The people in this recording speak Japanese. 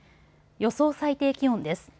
予想最低気温です。